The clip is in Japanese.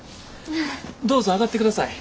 どうぞ上がってください。